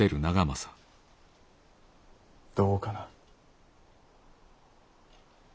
どうかな。